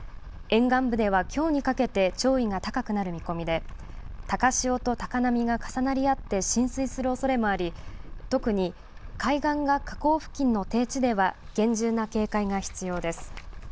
沿岸部ではきょうにかけて潮位が高くなる見込みで、高潮と高波が重なり合って、浸水するおそれもあり、特に海岸が河口付近の低地では厳重な警戒が必要です。